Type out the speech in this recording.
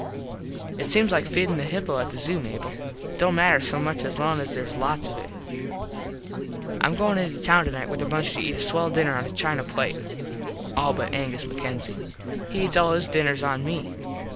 It seems like feedin the hippo at the zoo, Mable. It dont matter so much as long as theres lots of it. Im goin into town tonite with a bunch to eat a swell dinner on a china plate. All but Angus MacKenzie. He eats all his dinners on me.